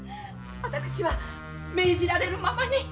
私は命じられるままに。